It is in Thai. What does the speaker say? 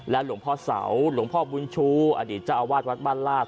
หลวงพ่อเสาหลวงพ่อบุญชูอดีตเจ้าอาวาสวัดบ้านลาด